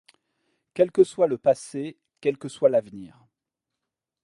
Quel que soit le passé, quel que soit l’avenir